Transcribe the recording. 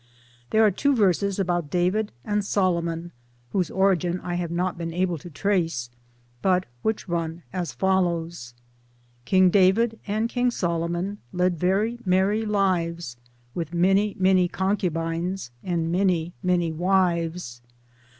There are two verses about David and Solomon whose origin I have not been able to trace, but which run as follows : King David and King Solomon Led very merry lives With many many concubines And many many wives.